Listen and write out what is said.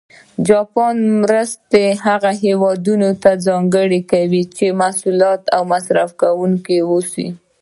جاپان مرستې هغه هېوادونه ته ځانګړې کوي چې د محصولاتو مصرف کوونکي و اوسي.